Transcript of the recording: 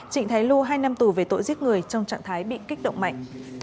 trịnh thái lu hai năm tù về tội giết người trong trạng thái bị kích động mạnh